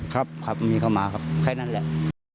ครับครับมีเข้ามาครับแค่นั้นแหละ